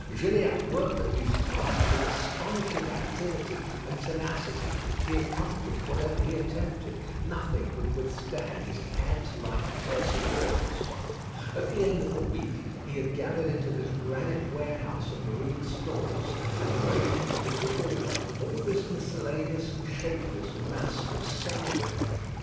Gilliatt worked at these tasks with astonishing activity and tenacity. He accomplished whatever he attempted nothing could withstand his ant like perseverance. At the end of the week he had gathered into this granite warehouse of marine stores, and ranged into order, all this miscellaneous and shapeless mass of salvage.